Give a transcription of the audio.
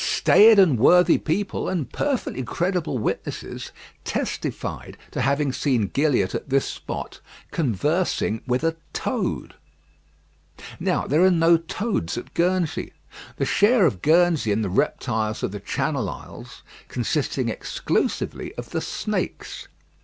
Staid and worthy people, and perfectly credible witnesses, testified to having seen Gilliatt at this spot conversing with a toad. Now there are no toads at Guernsey. The share of Guernsey in the reptiles of the Channel Isles consisting exclusively of the snakes.